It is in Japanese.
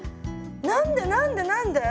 何で何で何で？